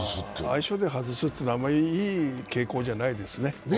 相性で外すというのはあまりいい傾向じゃないですね。